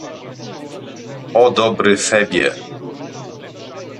"O dobry Febie!"